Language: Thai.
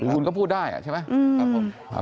คุณก็พูดได้ใช่ไหม